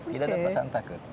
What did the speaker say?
tidak ada pasangan takut